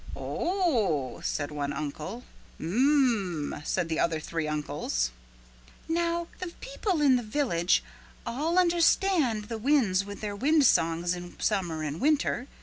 "O o h h," said one uncle. "Um m m m," said the other three uncles. "Now the people in the village all understand the winds with their wind songs in summer and winter.